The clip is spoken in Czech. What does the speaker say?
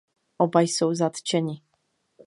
Oba jsou zatčeni.